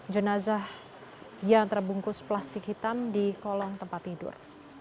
jenazah yang terbungkus plastik hitam di kolong tempat tidur